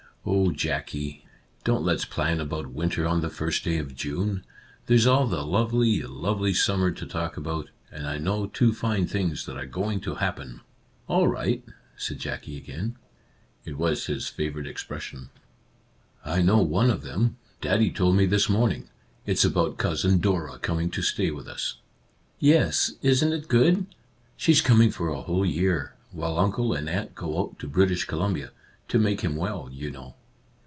" Oh, Jackie ! Don't let's plan about winter on the first day of June ! There's all the lovely, lovely summer to talk about, — and I know two fine things that are going to happen." " All right !" said Jackie again. It was his Our Little Canadian Cousin 3 favourite expression. " I know one of them ; Daddy told me this morning. It's about Cousin Dora coming to stay with us." "Yes — isn't it good? She's coming for a whole year, while uncle and aunt go out to British Columbia, — to make him well, you know."